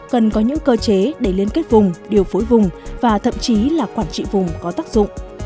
cần có những cơ chế để liên kết vùng điều phối vùng và thậm chí là quản trị vùng có tác dụng